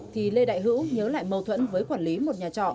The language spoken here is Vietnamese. thì lê đại hữu nhớ lại mâu thuẫn với quản lý một nhà trọ